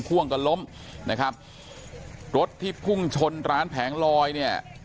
พ่วงก็ล้มนะครับรถที่พุ่งชนร้านแผงลอยเนี่ย